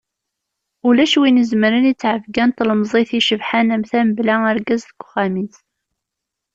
Ulac win izemren i ttɛebga n tlemẓit icebḥen am ta mebla argaz deg uxxam-is.